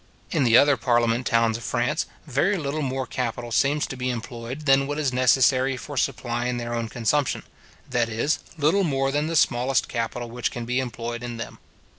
In the other parliament towns of France, very little more capital seems to be employed than what is necessary for supplying their own consumption; that is, little more than the smallest capital which can be employed in them.